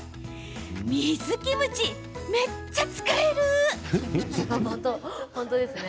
水キムチ、めっちゃ使える！